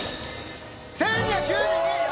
１２９２円！